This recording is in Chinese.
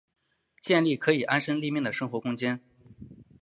建立可以安身立命的生活空间